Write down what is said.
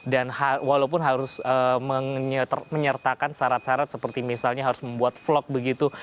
dan walaupun harus menyertakan syarat syarat seperti misalnya harus membuat vlog begitu